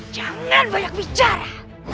jangan banyak bicara